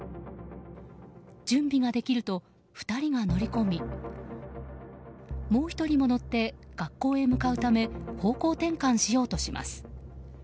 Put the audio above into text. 準備ができると、２人が乗り込みもう１人も乗って学校へ向かうため方向転換しようとします。